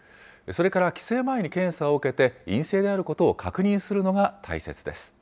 それから帰省前に検査を受けて、陰性であることを確認するのが大切です。